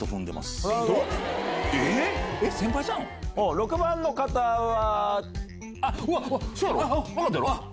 ６番の方は。